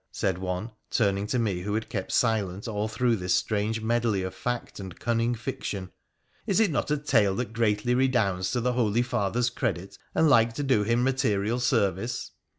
' said one, turning to me who had kept silent all through this strange medley of fact and cunning fiction. ' Is it not a tale that greatly redounds to the holy father's credit, and like to do him material service